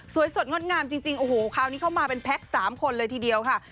สวยสดง่อนงามจริงคราวนี้เข้ามาเป็นแพ็ค๓คนเลยทีเดียวค่ะ